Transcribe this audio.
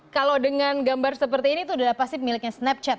kalau dengan gambar seperti ini itu adalah pasti miliknya snapchat